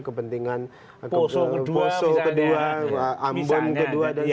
kepentingan poso kedua ambon kedua dan